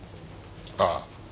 ああ。